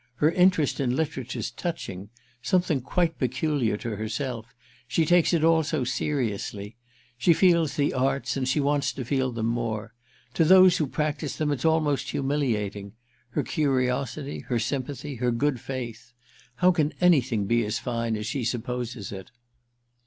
Her interest in literature's touching—something quite peculiar to herself; she takes it all so seriously. She feels the arts and she wants to feel them more. To those who practise them it's almost humiliating—her curiosity, her sympathy, her good faith. How can anything be as fine as she supposes it?"